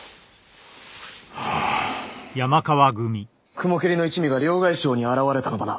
雲霧の一味が両替商に現れたのだな？